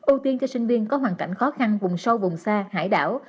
ưu tiên cho sinh viên có hoàn cảnh khó khăn vùng sâu vùng xa hải đảo